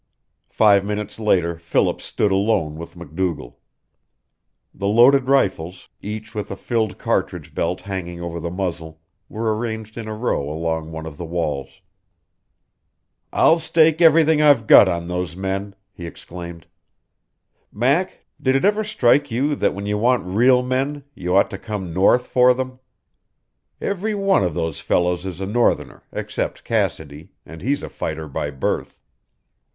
Five minutes later Philip stood alone with MacDougall. The loaded rifles, each with a filled cartridge belt hanging over the muzzle, were arranged in a row along one of the walls. "I'll stake everything I've got on those men," he exclaimed. "Mac, did it ever strike you that when you want REAL men you ought to come north for them? Every one of those fellows is a northerner, except Cassidy, and he's a fighter by birth.